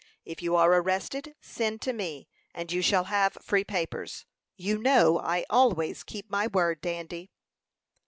If you are arrested, send to me, and you shall have free papers. You know I always keep my word, Dandy."